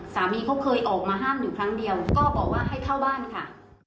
สามีเขาเคยออกมาห้ามอยู่ครั้งเดียวก็บอกว่าให้เข้าบ้านค่ะ